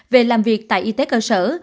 về làm việc tại y tế cơ sở